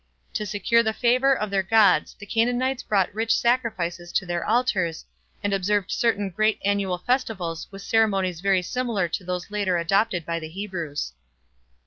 To secure the favor of their gods the Canaanites brought rich sacrifices to their altars and observed certain great annual festivals with ceremonies very similar to those later adopted by the Hebrews.